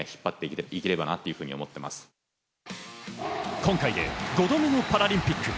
今回で５度目のパラリンピック。